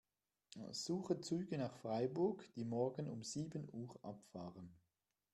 Suche Züge nach Freiburg, die morgen um sieben Uhr abfahren.